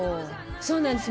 そうなんです。